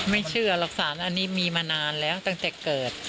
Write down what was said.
ไม่เชื่อหรอกสารอันนี้มีมานานแล้วตั้งแต่เกิด